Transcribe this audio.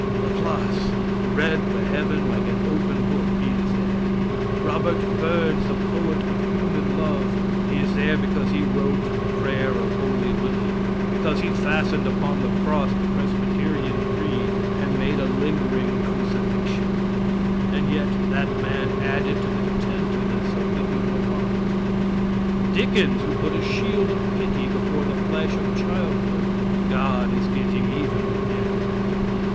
La Place, who read the heaven like an open book he is there. Robert Burns, the poet of human love he is there because he wrote the "Prayer of Holy Willie;" because he fastened upon the cross the Presbyterian creed, and made a lingering crucifixion. And yet that man added to the tenderness of human heart. Dickens, who put a shield of pity before the flesh of childhood God is getting even with him.